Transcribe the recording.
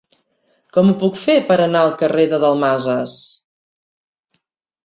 Com ho puc fer per anar al carrer de Dalmases?